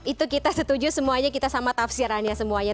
itu kita setuju semuanya kita sama tafsirannya semuanya